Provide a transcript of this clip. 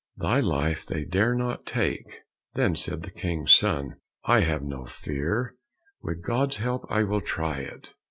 Thy life they dare not take." Then said the King's son, "I have no fear; with God's help I will try it."